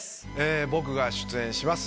僕が出演します